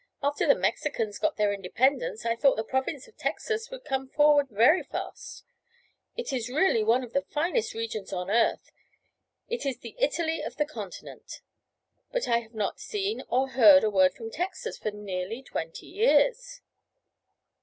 After the Mexicans got their independence, I thought that province of Texas would come forward very fast. It is really one of the finest regions on earth; it is the Italy of this continent. But I have not seen or heard a word of Texas for nearly twenty years."